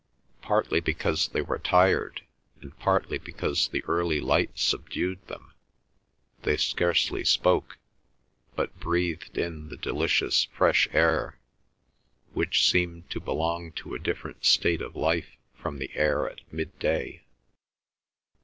Partly because they were tired, and partly because the early light subdued them, they scarcely spoke, but breathed in the delicious fresh air, which seemed to belong to a different state of life from the air at midday.